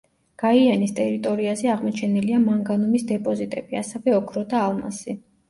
გაიანის ტერიტორიაზე აღმოჩენილია მანგანუმის დეპოზიტები, ასევე ოქრო და ალმასი.